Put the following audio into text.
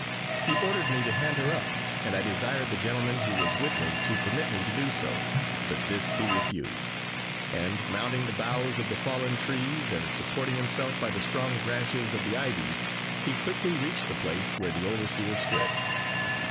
He ordered me to hand her up and I desired the gentleman who was with me to permit me to do so, but this he refused and mounting the boughs of the fallen trees, and supporting himself by the strong branches of the ivies, he quickly reached the place where the overseer stood.